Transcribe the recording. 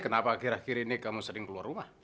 kenapa akhir akhir ini kamu sering keluar rumah